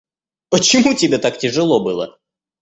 Почему тебе так тяжело было?